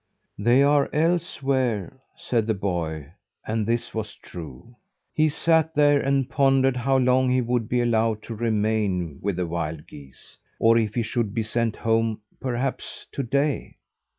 "They are elsewhere," said the boy and this was true. He sat there and pondered how long he would be allowed to remain with the wild geese; or if he should be sent home perhaps to day.